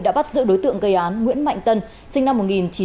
đã bắt giữ đối tượng gây án nguyễn mạnh tân sinh năm một nghìn chín trăm bảy mươi bảy